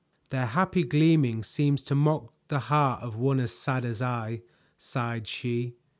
"Their happy gleaming seems to mock the heart of one as sad as I," sighed she.